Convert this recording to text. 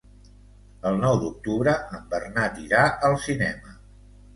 El nou d'octubre en Bernat irà al cinema.